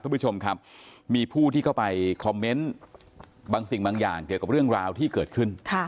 คุณผู้ชมครับมีผู้ที่เข้าไปคอมเมนต์บางสิ่งบางอย่างเกี่ยวกับเรื่องราวที่เกิดขึ้น